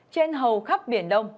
trên hầu khắp biển đông